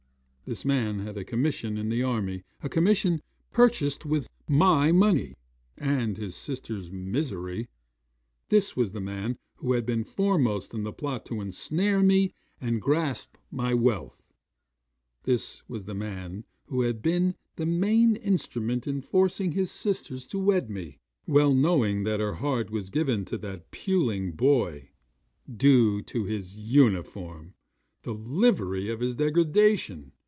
'This man had a commission in the army a commission, purchased with my money, and his sister's misery! This was the man who had been foremost in the plot to ensnare me, and grasp my wealth. This was the man who had been the main instrument in forcing his sister to wed me; well knowing that her heart was given to that puling boy. Due to his uniform! The livery of his degradation!